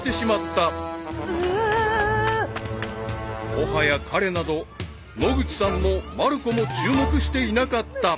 ［もはや彼など野口さんもまる子も注目していなかった］